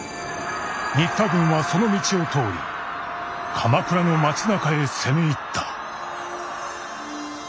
新田軍はその道を通り鎌倉の町なかへ攻め入った」。